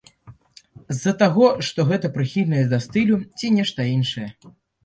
З-за таго, што гэта прыхільнасць да стылю ці нешта іншае?